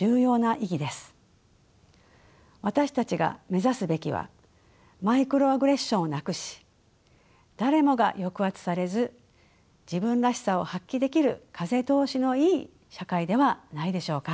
私たちが目指すべきはマイクロアグレッションをなくし誰もが抑圧されず自分らしさを発揮できる風通しのいい社会ではないでしょうか。